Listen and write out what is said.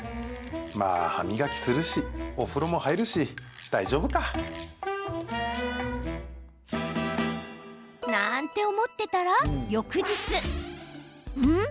まあ、歯磨きするしお風呂も入るし、大丈夫か。なんて思ってたら、翌日ん？